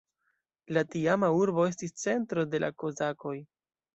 La tiama urbo estis centro de la kozakoj.